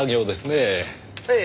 ええ。